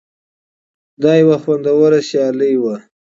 دا یوه خوندوره سیالي وه.